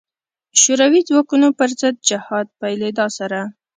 شوروي ځواکونو پر ضد جهاد پیلېدا سره.